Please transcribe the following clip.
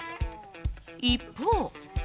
一方。